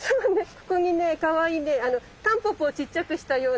ここにねかわいいねタンポポをちっちゃくしたようなね